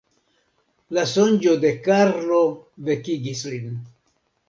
La sonĝo de Karlo vekigis lin.